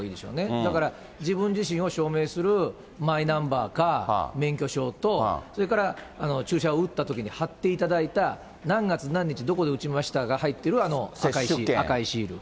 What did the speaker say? だから、自分自身を証明する、マイナンバーが免許証と、それから注射を打ったときに貼っていただいた、何月何日どこで打ちましたが入ってるあの赤いシール。